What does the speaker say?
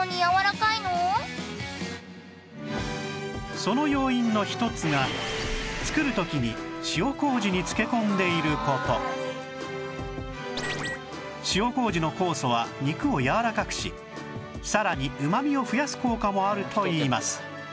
その要因の一つが作る時に塩麹の酵素は肉をやわらかくしさらにうまみを増やす効果もあるといいます